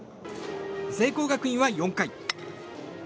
聖光学院は４回。